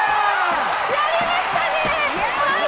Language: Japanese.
やりましたね！